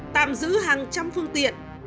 tạm giữ hàng trăm phương tiện